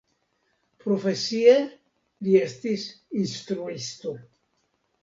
Profesie li estis instruisto.